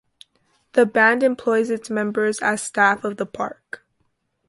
The band employs its members as staff of the park.